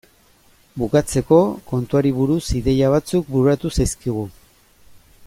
Bukatzeko, kontuari buruz ideia batzuk bururatu zaizkigu.